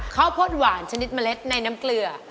ข้าวโพดหวานชนิดเมล็ดในน้ำเกลือ